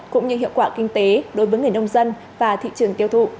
cũng như hiệu quả kinh tế đối với người nông dân và thị trường tiêu thụ